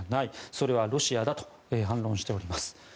それはロシアだと反論しております。